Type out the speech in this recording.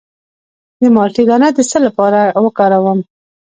د مالټې دانه د څه لپاره وکاروم؟